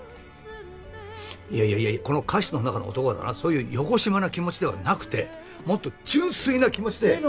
いやいやいやこの歌詞の中の男はだなそういうよこしまな気持ちではなくてもっと純粋な気持ちで。